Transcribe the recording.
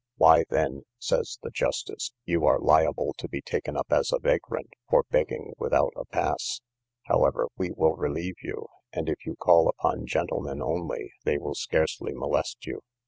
Why then, says the justice, you are liable to be taken up as a vagrant, for begging without a pass: however, we will relieve you; and if you call upon gentlemen only, they will scarcely molest you.